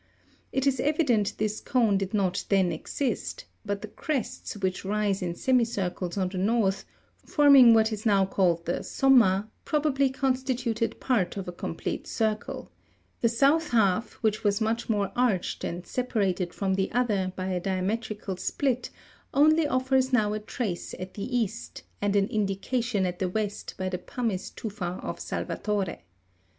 It is evident this cone did not then exist ; but the crests which rise in semicircles on the north, forming what is new called the sotnma, probably constituted part of a complete circle ; the 104 VOLCANIC PHENOMENA. Fig, 184. Volcan of Jorullo* south half, which was much more arched, and separated from the other by a diametrical split, only offers now a trace at the east, and an indication at the west by the pumice tufa of Salvatore.